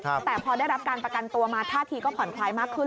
แต่พอได้รับการประกันตัวมาท่าทีก็ผ่อนคลายมากขึ้น